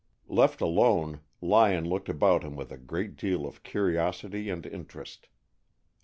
Left alone, Lyon looked about him with a great deal of curiosity and interest.